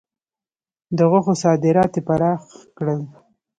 د غوښو صادرات یې پراخ کړل.